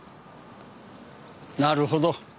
なるほど。